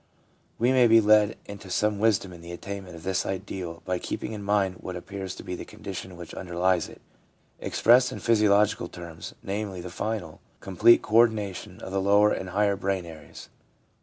We maybe led into some wisdom in the attainment of this ideal by keeping in mind what appears to be the condition which underlies it, expressed in physiological terms — namely, the final, complete co ordination of the lower and higher brain areas.